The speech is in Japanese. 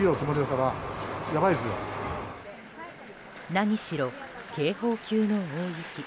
何しろ、警報級の大雪。